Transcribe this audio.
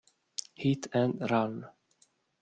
Hit and Run